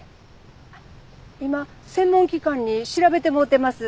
あっ今専門機関に調べてもろてます。